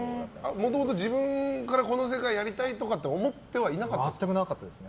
もともと自分からこの世界やりたいとかって全くなかったですね。